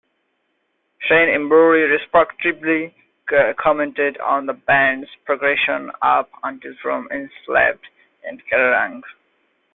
Shane Embury retrospectively commented on the band's progression up until From Enslaved... in Kerrang!